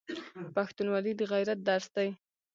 پښتونولي د غیرت درس دی.